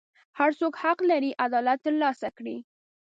هر څوک حق لري عدالت ترلاسه کړي.